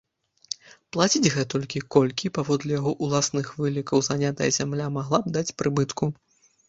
Плаціць гэтулькі, колькі, паводле яго ўласных вылікаў, занятая зямля магла б даць прыбытку.